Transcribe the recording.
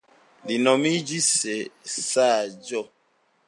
Li nomiĝis Saĝo.